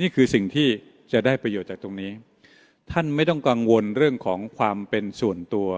นี่คือสิ่งที่จะได้ประโยชน์จากตรงนี้ท่านไม่ต้องกังวลเรื่องของความเป็นส่วนตัว